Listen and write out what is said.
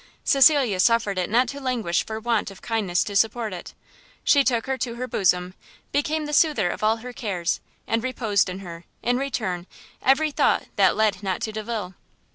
Cecilia suffered it not to languish for want of kindness to support it; she took her to her bosom, became the soother of all her cares, and reposed in her, in return, every thought that led not to Delvile.